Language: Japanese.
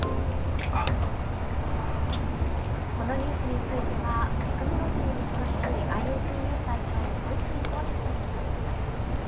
このニュースについてはテクノロジーに詳しいＩｏＴＮＥＷＳ代表の小泉耕二さんに伺います。